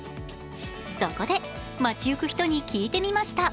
そこで街ゆく人に聞いてみました。